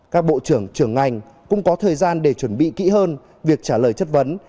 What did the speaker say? các bộ trưởng trưởng ngành cũng có thời gian để chuẩn bị kỹ hơn việc trả lời chất vấn